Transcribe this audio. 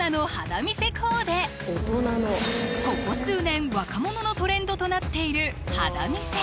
ここ数年若者のトレンドとなっている肌見せ